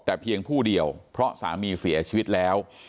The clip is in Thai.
แต่เพียงผู้เดียวเพราะสามีเสียชีวิตแล้ว